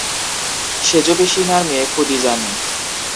সেজোপিসিমার মেয়ে খুদি জানে।